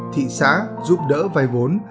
thị xã giúp đỡ vay vốn